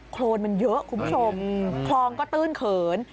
โครนมันเยอะคุณผู้ชมคลองก็ตื้นเขิน